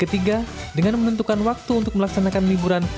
ketiga dengan menentukan waktu untuk melaksanakan liburan